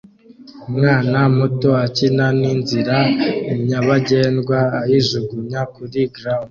Umwana muto akina n'inzira nyabagendwa ayijugunya kuri gound